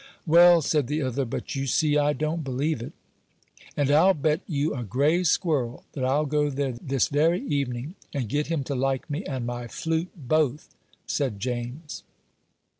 "Well," said the other, "but you see I don't believe it." "And I'll bet you a gray squirrel that I'll go there this very evening, and get him to like me and my flute both," said James.